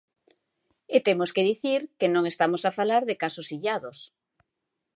E temos que dicir que non estamos a falar de casos illados.